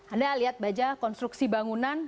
anda lihat baja konstruksi bangunan